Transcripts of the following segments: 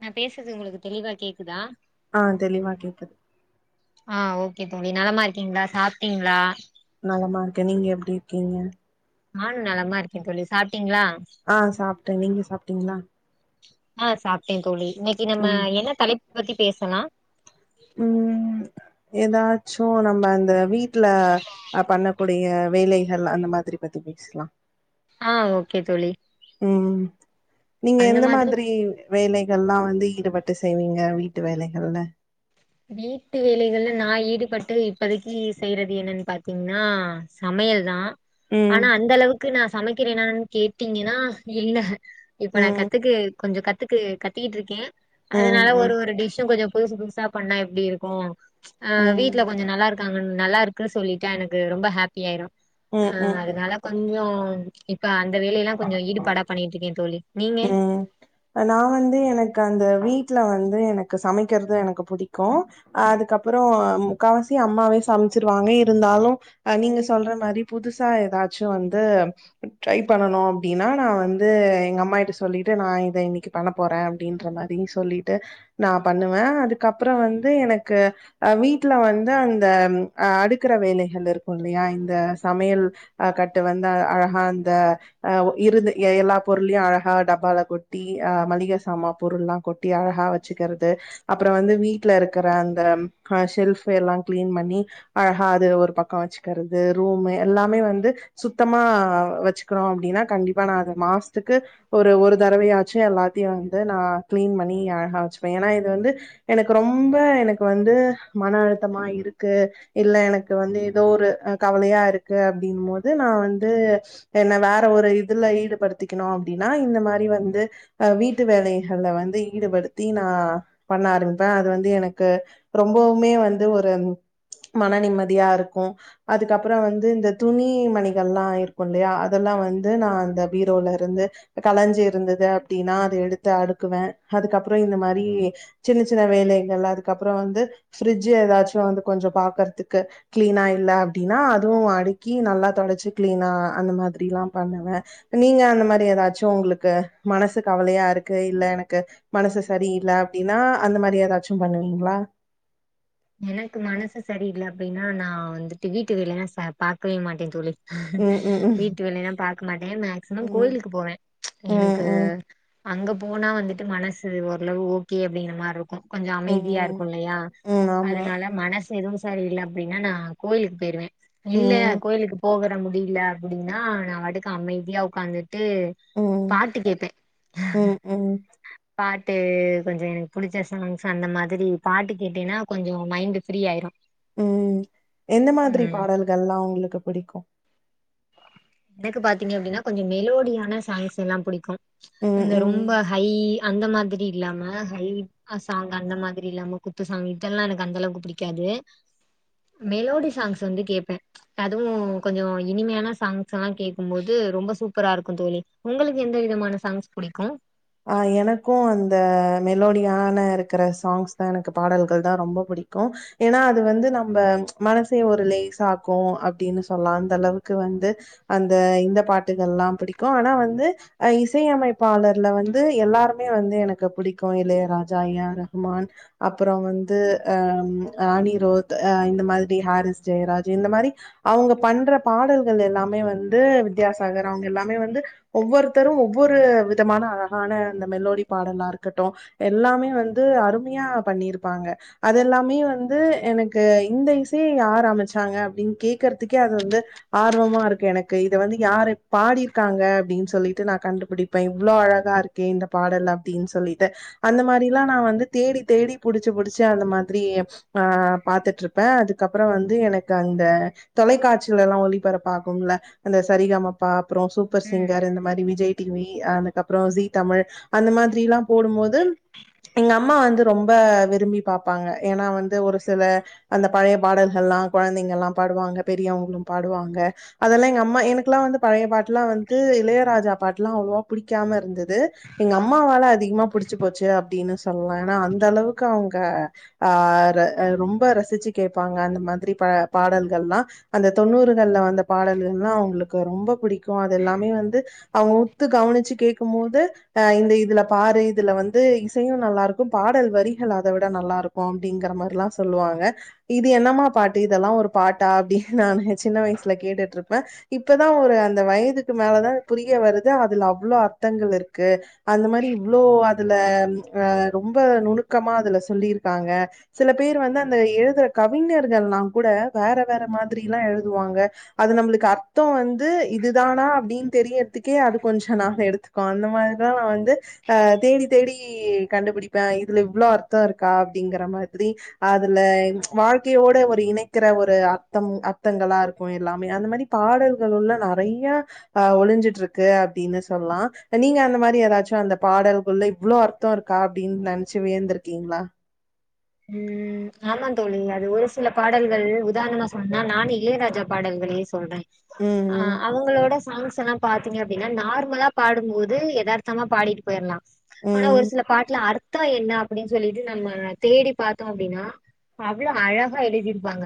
நா பேசுறது உங்களுக்கு தெளிவா கேக்குதா ஆ தெளிவா கேக்குது ஆஹ் ஓகே தோழி நலமா இருக்கீங்ளா சாப்பிட்டீங்ளா நலமா இருக்க நீங்க எப்டி இருக்கீங்க நானு நலமா இருக்க தோழி சாப் ஆ சாப்ட்டே நீங்க சாப்ட்டீங்களா ஆ சாப்ட்டே தோழி இன்னைக்கு நம்ம ம் என்ன தலைப் பத்தி பேசலா ம் ஏதாச்சு நம்ம அந்த வீட்ல அ பண்ணக்கூடிய வேலைகள் அந்த மாதிரி பத்தி பேசலா ஆ ஓகே தோழி ம் நீங்க எந்த மாதிரி வேலைகள்லா வந்து ஈடுபட்டு செய்வீங்க வீட்டு வேலைகள்ல வீட்டு வேலைகள்ல நா ஈடுபட்டு இப்பதைக்கு செய்றது என்னன்னு பாத்தீங்ன்னா சமையல் தா ம் ஆனா அந்த அளவுக்கு நா சமைக்கிறேனான் கேட்டீங்கனா இல்ல இப்ப நா ம் கத்துக்கு கொஞ்சோ கத் த்துக்கு கத்திட்ருக்கே ம் அதனால ம் ஒரு ஒரு டிஷு கொஞ்சோ புதுசு புதுசாப் பண்ணா எப்படி இருக்கு ஆ ம் வீட்ல கொஞ்ச நல்லா இருக் தாங்கன் நல்லா இருக்கு சொல்லிட்டே எனக்கு ரொம்ப ஹாப்பியாயிரு ஆ ம் ம் அதனால கொஞ்சோ ம் இப்ப அன் இந்த வேலையெல்லா கொஞ்சோ ஈடுபடா பண்ணிட்ருக்கே தோழி நீங்க? ம் அ நா வந்து எனக் அந்த வீட்ல வந்து எனக்கு சமைக்கறது எனக்கு புடிக்கு அதுக்கப்புறோ முக்காவசி அம்மாவே சமச்சிருவாங்க இருந்தாலு அ நீங்க சொல்ற மாரி புதுசா ஏதாச்சு வந்து ட்ரை பண்ணனு அப்படின்னா நா வந்து எங்க அம்மா டு சொல்லிட்டு நா இத இன்னிக்கு பண்ண போறே அப்படின்ற மாரி சொல்லிட்டு நா பண்ணுவே அதுக்கப்புறோ வந்து எனக்கு அ வீட்டுல வந்து அந்த அ அடுக்கற வேலைகள் இருக்கு இல்லையா இந்த சமையல் அ கட்டு வந்தா அ ஹா அந்த அ ஒ இருந்த எ எல்லா பொருள்யு அழ கா டப்பால கொட்டி ஆ மளிக சாமா பொருள்ல்லா கொட்டி அழகா வச்சுக்கிறது அப்புறோ வந்து வீட்டுல இருக்கிற அந்த கா ஷெல்ஃப எல்லா க்ளீன் பண்ணி அழகா அது ஒரு பக்க வச்சுக்கறது ரூம்மு எல்லாமே வந்து சுத்தமா வச்சுக்கிறோ அப்படின்னா கண்டிப்பா நா அத மாஸ்த்துக்கு ஒரு ஒரு தரவையாச்சு எல்லாத்தையு வந்து நா க்ளீன் பண்ணி அழகா வச்சுப்பே ஏனா இது வந்து எனக்கு ரொம்ப எனக்கு வந்து மன அழுத்தமா இருக்கு இல்ல எனக்கு வந்து ஏதோ ஒரு அ கவலையா இருக்கு அப்படினு மோது நா வந்து என்ன வேற ஒரு இதுல ஈடுபடுத்திக்கணு டின்னா இந்த மாரி வந்து அ வீட்டு வேலைஹ ள்ள வந்து ஈடுபடுத்தி நா பண்ண ஆரம்பிப்பே அது வந்து எனக்கு ரொம்பவுமே வந்து ஒரு மன நிம்மதியா இருக்கு அதுக்கப்புறோ வந்து இந்த துணி மணிகல்லா இருக்கு இல்லையா அதெல்லா வந்து நா அந்த பீரோல இருந்து கலஞ்சி இருந்தது அப்படின்னா அது எடுத்து அடுக்குவே அதுக்கப்புறோ இந்த மாரி சின்ன சின்ன வேலைகள்ளா இருக்கு அப்றோ வந்து ஃப்ரிட்ஜு ஏதாச்சு வந்து கொஞ்ச பாக்கறதுக்கு க்ளீனா இல்ல அப்படின்னா அதுவு அடுக்கி நல்லா தொடச்சி க்ளீனா அந்த மாதிரில்லா பண்ணுவே நீங்க அந்த மாரி ஏதாவது ச்சோ உங்களுக்கு மனசு கவலையா இருக்கு இல்ல எனக்கு மனசு சரியில்ல அப்படின்னா அந்த மாரி ஏதாச்சு பண்ணுவீங்களா எனக்கு மனசு சரில்ல அப்டின்னா நா வந்துட்டு வீட்டு வேலைன்னா ச பாக்கவே மாட்டே தோழி ம் ம் ம் வீட்டு வேலையெல்லா பாக்க மாட்டே மேக்சிமம் ம் கோயிலுக்கு போவே ம் எனக்கு ம் அங்க போனா வந்துட்டு மனசு ஓரளவு ஓகே அப்படிங்கிற மாரி இருக்கு கொஞ்சோ அமைதியா இருக்கு ம். இல்லையா ம். ஆமா. அதனால மனசு எதுவு சரியில்ல அப்டின்னா நா கோயிலுக்கு போயிருவே இல்லையா ம். கோயிலுக்கு போகர் க முடியில அப்டின்னா நா வாட்டுக்கு அமைதியா உக்காந்துட் ட்டு ம். பாட்டு கேப்பே ம். ம். பாட்டு கொஞ்சோ எனக்கு புடிச்ச சாங்ஸ் அந்த மாதிரி பாட்டு கேட்டேனா கொஞ்சோ மைண்டு ஃப்ரீ ஆயிரு ம் எந்த மாதிரி பாடல்கள்லா உங்ளுக்கு புடிக்கு எனக்குப் பாத்திங்க அப்டினா கொஞ்சோ மெலோடியான சாங்ஸ் எல்லா புடிக்கு ம். அந்த ரொம்ப ம். ஹை அந்த மாதிரி இல்லாம ஹை சாங் அந்த மாதிரி இல்லாம குத்து சாங் இதெல்லா எனக்கு அந்த அளவுக்கு பிடிக்காது மெலோடி சாங்ஸ் வந்து கேப்பே அதுவு கொஞ்ச இனிமையான சாங் ஸ்லா கேக்கும்போது ரொம்ப சூப்பரா இருக்கு தோழி உங்களுக்கு எந்த விதமான சாங்ஸ் புடிக்கு அ எனக்கு அந்த மெலோடியான இருக்கிற சாங்ஸ் தா எனக்கு பாடல்கள் தான் ரொம்ப புடிக்கு ஏன்னா அது வந்து நம்ம மனசே ஒரு லேஸ் ஆக்கும் அப்டின்னு சொல்லா அந்த அளவுக்கு வந்து அந்த இந்த பாட்டுகள்ல்லாம் புடிக்கு ஆனா வந்து அ இசையமைப்பாளர்ல வந்து எல்லாருமே வந்து எனக்கு புடிக்கு இளையராஜா ஐயா ரஹமான் அப்புறோ வந்து அ அனிரோத் அ இந்த மாத்ரி ஹாரிஸ் ஜெயராஜ் இந்த மாதிரி அவங்க பண்ற பாடல்கள் எல்லாமே வந்து வித்யாசாகர் அவங்க எல்லாமே வந்து ஒவ்வொருத்தரும் ஒவ்வொரு விதமான மெலோடி பாடலா இருக்கட்டு எல்லாமே வந்து அருமையா பண்ணிருப்பாங்க அதல்லாமே வந்து எனக்கு இந்த இசே யார் அமைச்சாங்க அப்படின்னு கே்கறதுக்கே அது வந்து ஆர்வமா இருக்கு எனக்கு இதை வந்து யார் பாடிருக்காங்க அப்டின்னு சொல்லிட்டு நா கண்டுபிடிப்பே இவ்ளோ அழகா இருக்கு இந்த பாடல் அப்டின் சொல்லிட்டு அந்த மாதுரிலா நா வந்து தேடி தேடி புடுச்சு புடுச்சு அந்த மாதிரி அ பாத்துட்ருப்ப அதுக்கப்புறம் வந்து எனக்கு அந்த தொலைக்காட்சியில எல்லா ஒளிபரப்ப ஆகும்ல அந்த சரிகமப்பா அப்புறம் சூப்பர் ம். சிங்கர் இந்த மாதுரி விஜய் டிவி அதுக்கப்புறோ தமிழ் அந்த மாத்ரிலா போடும்போது எங்க அம்மா வந்து ரொம்ப விரும்பி பாப்பாங்க ஏன்னா வந்து ஒரு சில அந்த பழைய பாடல்கள்லாம் கொழந்தைங்கள்ல்லா பாடுவாங்க பெரியவங்களு பாடுவாங்க அதெல்லாம் எங்க அம்மா எனக்கெல்லாம் வந்து பழைய பாட்டுல்லாம் வந்து இளையராஜா பாட்டுல்லாம் அவ்வளவா புடிக்காம இருந்தது எங்க அம்மாவால அதிகமா புடுச்சு போச்சு அப்டின்னு சொல்லா ஏன்னா அந்த அளவுக்கு அவங்க அ ரொம்ப ரசிச்சு கேப்பாங்க அந்த மாத்ரி பா பாடல்கள் லா அந்த தொண்ணூறுகள்ல வந்த பாடல்கள் எல்லாம் அவங்களுக்கு ரொம்ப புடிக்கு அதெல்லாமே வந்து அவங்க உத்து கவனிச்சு கேக்குமோது அ இந்த இதுல பாரு இதுல வந்து இசையு நல்லா இருக்கு பாடல் வரிகள் அத விட நல்லா ருக்கும் அப்டிங்கற மாரிலா சொல்லுவாங்க இது என்னமா பாட்டு இதெல்லாம் ஒரு பாட்டா அப்டின்னு நான் சின்ன வயசுல கேட்டுட்ருப்பே இப்பதா ஒரு அந்த வயதுக்கு மேலதா புரிய வருது அதுல அவ்ளோ அர்த்தங்கள் இருக் அந்த மாரி இவ்ளோ அதுல அ ரொம்ப நுணுக்கமா அதுல சொல்லியிருக்காங்க சில பேர் வந்து அந்த எழுதுற கவிஞர்கள்ல்லா கூட வேற வேற மாதிர ல்லா எழுதுவாங்க அது நம்ளுக்கு அர்த்தோ வந் து இதுதானா அப்டின் தெரியர்த்துக் அது கொஞ்ச நா எடுத்துக்கோ அ மாரி தா நா வந்து அ தேடி தேடி கண்டுபிடிப்பே இதுல இவ்ளோ அர்த்தோருக்கா அப்டிங்கற மாதிரி அதுல வாழ்க்கையோட ஒரு இணைக்கிற ஒரு அர்த்தம்மு அர்த்தங்களா இருக்கு எல்லாமே அந்த மாத்ரி பாடல்கள்லுல்ல நறைய அ ஒழிஞ்சுட்டுருக்கு அப்டின்னு சொல்லா நீங்க அந்த மாரி எதாச்சு அந்த பாடல்குள்ள இவ்லோ அர்த்தோர்க்கா அப்டின்ன நன்ச்சு வியந்துர்கீங்ளா ம் ஆமா தோழி அது ஒரு சில பாடல்கள் உதாரணமா ச நானு இளையராஜா பாடல்களே சொல்றே ம் அ ம் அவங்ளோட சாங்ஸ் எல்லா பார்த்தீங்க அப்டின்னா நார்மலா பாடும்போது எதார்த்தமா பாடிட் போயர்லா ஆனா ஒரு ம் சில பாட்லா அர்த் தோ என்ன அப்புடின் சொல்லிட்டு நம்ம தேடிப் பாத்தோ அப்டினா அவ்ளோ அழகா எழுதிருப்பாங்க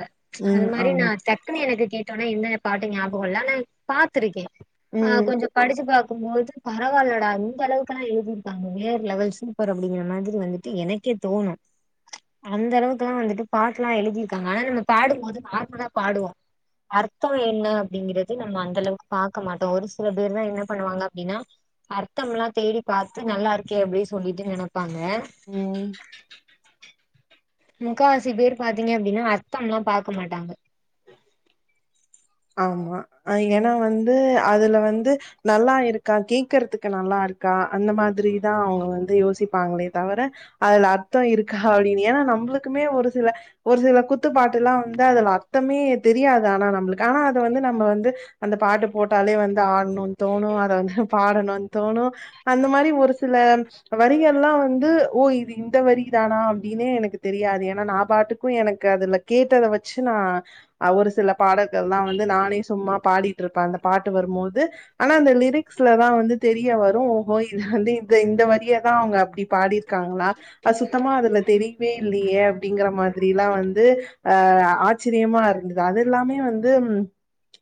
அது ம் மாரி நா ஆமா. டக்குனு எனக்கு கேட் என்ன பாட்டு ஞாபகம் இல்ல [unintelligible] பாத்துருக்கே ஆ ம் கொஞ்சம் படிச்சு பா அப்போது பரவாயில்லடா இந்தளவுக்கல்லா எழுதி நாங்க வேற லெவல்ஸ் போறோம் [unintelligible] அப்டிங்கற மாதிரி வந்துட்டு எனக்கே தோணும் அந்த அளவுக்கெல்லாம் வந்துட்டு பாட்டுலா எழுதிருக்காங்க ஆனா நம்ம பாடும்போது நார்மலா பாடுவோம் அர்த்தம் என்ன அப்படிங்கிறது நம்ம அந்த அளவுக்கு பாக்க மாட்டோ ஒரு சில பேர் தா என்ன பண்ணுவாங்க அப்டின்னா அர்த்தமெலா தேடி பார்த்து நல்லா இருக்கே அப்டி சொல்லிட்டு நனப் ம் முக்காசி பேர் பாத்தீங்க அப்டின்னா அர்த்தமெலாம் பார்க்க மாட்டாங்க ஆமா ஏனா வந்து அதுல வந்து நல்லா இருக்கா கேக்கறதுக்கு நல்லாருக்கா அந்த மாதிரிதா அவுங்க வந்து யோசிப்பாங்களே தவிர அதுல அர்த்தோ இருக்கா அப்டின்னு ஏனா நம்முளுக்குமே ஒரு சில ஒரு சில குத்துப்பாட்டெல்லா வந்து அதுல அர்த்தமே தெரியாது ஆனா நம் [unintelligible] ஆனா அது வந்து நம்ம வந்து அந்த பாட்டு போட்டாலே வந்து ஆடணும்னு தோணும் அத வந்து பாடணும் தோணும் அந்த மாரி ஒரு சில வரிகெல்லா வந்து ஓ இது இந்த வரி தானா அப்டின்னே எனக்கு தெரியாது ஏனா நா பாட்டுக்கு எனக்கு அதுல கேட்டத வச்சு நா ஒரு சில பாடல் ல்லா வந்து நானே சும்மா பாடிட்ருப்ப அந்த பாட்டு வருமோது ஆனா அந்த லிரிக்ஸ்லதா வந்து தெரிய வரும் ஓஹோ இது வந்தஇந் இந்த வரியதா அவங்க அப்டி பாடிருக்காங்ளா அது சுத்தமா அதுல தெரியவே இல்லயே அப்டிங்ற மாதிரில்லா வந்து ஆ ஆச்சிர்யமா இருந்தது அது எல்லாமே வந்து ந்து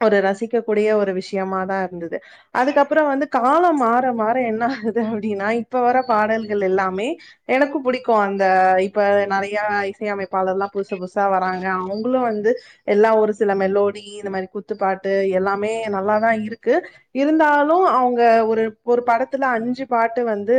ஒரு ரசிக்க கூடிய ஒரு விஷயமா தாருந்துது அதுக்கப்ற வந்து காலொ மாற மாற என்ன ஆகுது அப்டின்னா இப்ப வர பாடல்கள் எல்லாமே எனக்கு புடிக்கு அந்த இப்ப நறையா இசையமைப்பாளர்லா புஸு புஸ்ஸா வராங்க அவங்களு வந்து எல்லா ஒரு சில மெலோ டி இந்த மாரி குத்து பாாட்டு எல்லாமே நல்லா தா இருக்கு இருந்தாலு அவங்க ஒரு ஒரு படத்துல அஞ்சு பாட்டு வந்து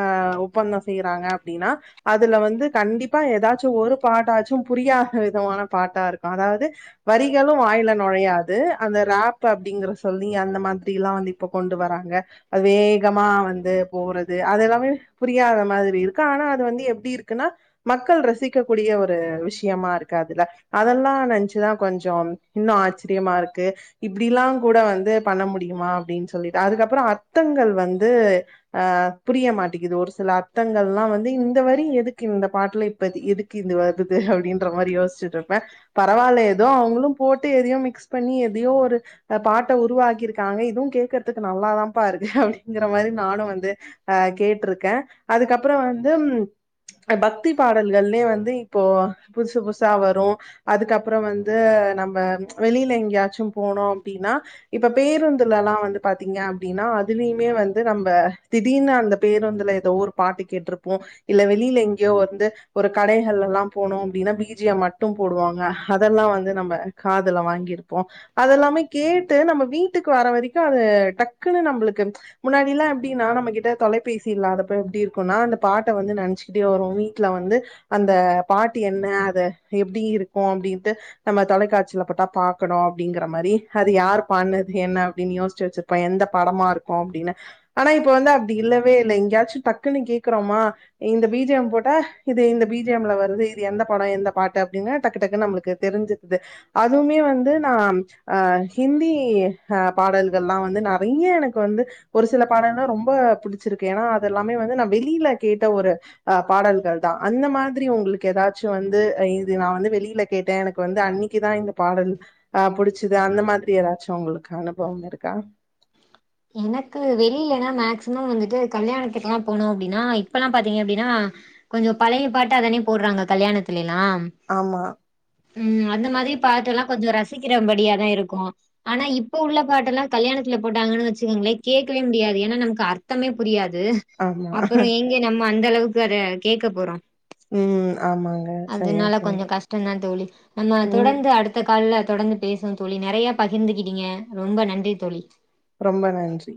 ஆ ஒப்பந்தொ செய்றாங்க அப்டின்னா அதுல வந்து கண்டிப்பா எதாச்சு ஒரு பாட்டாச்சு புரியாத விதமான பாட்டாருக்கு அதாவது வரிகள் லு வாய்ல நொழையாது அந்த ராப் அப்டிங்கற சொல்லி அந்த மாதிரி எல்லா வந்து இப்ப கொண்டு வராங்க அது வேகமா வந்து போறது அது எல்லாமே புரியாத மாதிரி இருக்கு ஆனா அது வந்து எப்டிருக்குனா மக்கள் ரசிக்க கூடிய ஒரு விஷயமாருக்கு அதுல அதெல்லா நெனச்சுதா கொஞ் சோ இன்னு ஆச்ரியமாருக்கு இப்டிலா கூட வந்து பண்ண முடியுமா அப்டின் சொல்லிட்டு அதுக்கப்ற அரத்தங்கள் வந்து ஆ புரிய மாட்டேங்குது ஒரு சில அரத்தங்கள்லா வந்து இந்த வரி எதுக்கு இந்த பாட்ல இப்ப எதுக்கு இது வருது அப்டின்ற மாரி யோசிச்சுட்ருப்ப பரவால்ல எதோ அவங்களு போட்டு எதையோ மிக்ஸ் பண்ணி எதையோ ஒரு பாட்ட உருவாக்கியிருக்காங்க இதுவு கேக்கர்துக்கு நல்லாதாப்பா இருக்கு அப்டிங்ற மாரி நானு வந்து ஆ கேட்ருக்கே அதுக்கப்ற வந்து பக்தி பாடல்கள்லே வந்து இப்போ புதுசு புதுசா வரும் அதுக்கப்ற வந்து நம் ப வெளில எங்கயாச்சு போனோ அப்டின்னா இப்ப பேருந்துலலா வந்து பாத்தீங்க அப்டின்னா அதுலியுமே வந்து நம்ம திடீர்னு அந்த பேருந்துல எதோ ஒரு பாட்டு கேட்ருப்போ இல்ல வெளில எங்யோ வந்து ஒரு கடைகள்லலா போனோ அப்டின்னா பிஜியம் மட்டு போடுவாங்க அதெல்லா வந்து நம்ப துல வாங்கிருப்போ அதெல்லாமே கேட்டு நம்ம வீட்டுக்கு வர வரைக்கு அது டக்குன்னு நம்ளுக்கு முன்னாடிலா எப்டின்னா நம்ம கிட்ட தொலைபேசி இல்லாதப்ப எப்டி இருக்குனா அந்த பாட்ட வந்து நெனைச்சக்கிட்டே வருவோ வீட்ல வந்து அந்த பாட்டு என்ன அத எப்டி இருக்கு அப்டின்ட்டு நம்ம தொலைக்காட்சி சில போட்டா பாக்கணு அப்டிங்ற மாரி அது யார் பாட்ணது என்ன அப்டின் யோசிச்சு வச்சிருப்பே எந்த படமாருக்கு அப்டின்னு ஆனா இப்ப வந்து அப்டி இல்லவே இல்ல எங்காச்சு டக்குன்னு கேக்குறமா இந்த பிஜிஎம் போட்டா இது இந்த பிஜிஎம்ல வருது இது எந்த படொ எந்த பாட்டு அப்டின்னு டக்கு டக்கு நம்ளுக்கு தெரிஞ்சிடுது அதுமே வந்து நா ஆ ஹிந்தி ஆ பாடல்கள்லா வந்து நறைய எனக்கு வந்து ஒரு சில பாடல்லா ரொம்ப பிடிச்சிருக்கு ஏனா அதெல்லாமே வந்து நா வெளில கேட்ட ஒரு ஆ பாடல்கள் தா அந்த மாதிரி உங்களுக்கு எதாது ச்சு வந்து இது நா வந்து வெளிய ல கேட்டே எனக்கு வந்து அன்னி க்குதா இந்த பாடல் ஆ புடிச்சுது அந்த மாதிரி எதாச்சு உங்ளுக்கு அனுபவம் இருக்கா எனக்கு வெளிலனா மேக்சிமம் வந்துட்டு கல்யாணத்துக்கு எல்லா போனோ அப்டின்னா இப்பலா பாத்தீங்க அப்டின்னா கொஞ்சோ பழைய பாட்டாதானே போட்றாங்க கல்யாணத்துலயே ஆமா [unintelligible] ம் அந்த மாரி பாட்டுலா கொஞ்சோ ரசிக்கிறபடியா தா இருக்கு ஆனா இப்ப உள்ள பாட்டுலா கல்யாணத்துல போட்டாங்கன்னு வச்சு [unintelligible] கேக்கவே முடியாது ஏனா நமக்கு அர்த்தமே புரியாது ஆமா அப்ற எங்க நம்ம அந்த அளவுக்கு வேற கேக்க போறோ ம் ஆமாங்க சரியா அதனால கொஞ்சோ சொன்னீங்க கஷ்ட தா தோழி நம்ம ம் தொடர்ந்து அடுத்த கால்ல தொடர்ந்து பேசுவோ தோழி நறையா பகிர்ந்துகிட்டீங்க ரொம்ப நன்றி தோழி ரொம்ப நன்றி